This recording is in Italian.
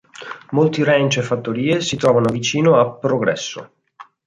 Molti ranch e fattorie si trovano vicino a Progresso.